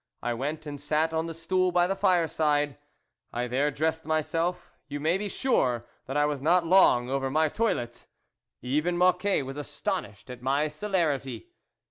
I , went and sat on the stool by the fireside, and there dressed myself ; you may be sure that I was not long over my toilette; even Mocquet was astonished at my celerity.